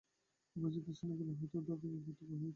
অপরিচিত স্থানে গেলে, হয় উদ্ধত নয় অপ্রতিভ হইয়া থাকে।